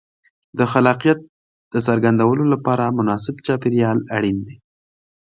د خلاقیت د څرګندولو لپاره مناسب چاپېریال اړین دی.